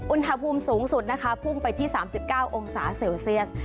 อุณหภูมิสูงสุดนะคะพุ่งไปที่๓๙องศาเซลเซียส